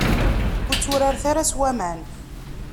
Ur tturaret ara s waman.